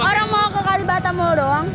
orang mau ke kalibata mau doang